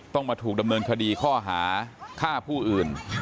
ต้องมาถูกดำเนินคดีข้อหาฆ่าผู้อื่น